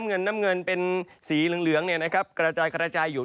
น้ำเงินเป็นสีเหลืองนะครับกระจายอยู่